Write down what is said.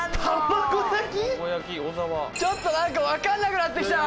ちょっとなんかわかんなくなってきた！